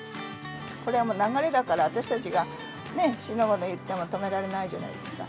これはもう流れだから、私たちがね、四の五の言っても止められないじゃないですか。